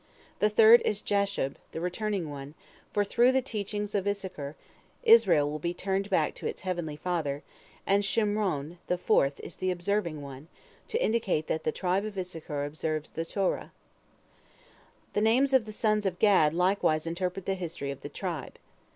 The third is Jashub, "the returning one," for through the teachings of Issachar Israel will be turned back to its Heavenly Father; and Shimron, the fourth, is "the observing one," to indicate that the tribe of Issachar observes the Torah. The names of the sons of Gad likewise interpret the history of the tribe.